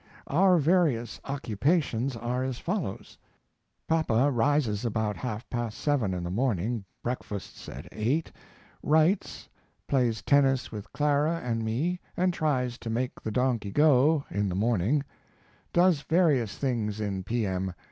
Our varius occupations are as follows. Papa rises about 1/2 past 7 in the morning, breakfasts at eight, writes, plays tennis with Clara and me and tries to make the donkey go, in the morning; does varius things in P.M.